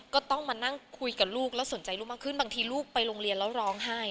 ก็ต้องมานั่งคุยกับลูกแล้วสนใจลูกมากขึ้นบางทีลูกไปโรงเรียนแล้วร้องไห้